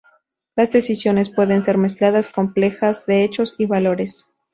Las decisiones pueden ser mezclas complejas de hechos y valores.